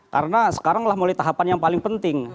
karena sekarang lah mulai tahapan yang paling penting